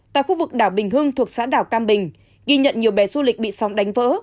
tại khu vực đảo bình hưng thuộc xã đảo cam bình ghi nhận nhiều bè du lịch bị sóng đánh vỡ